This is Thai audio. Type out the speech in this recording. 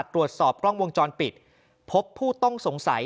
ตรวจสอบกล้องวงจรปิดพบผู้ต้องสงสัย